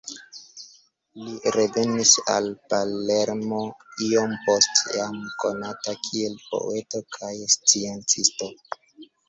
Li revenis al Palermo iom poste, jam konata kiel poeto kaj sciencisto.